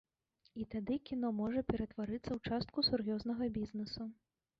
І тады кіно можа ператварыцца ў частку сур'ёзнага бізнесу.